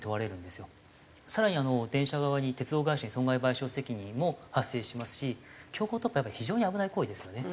更に電車側に鉄道会社に損害賠償責任も発生しますし強行突破はやっぱり非常に危ない行為ですよね。